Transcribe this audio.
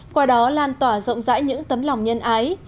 qua đó lan tỏa rộng rãi những tấm lòng nhân ái